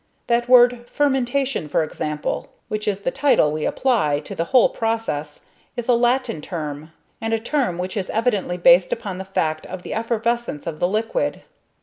That word "fermentation" for example, which is the title we apply to the whole process, is a Latin term; and a term which is evidently based upon the fact of the effervescence of the liquid.